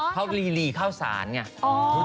เขาลีลีเข้าสารไง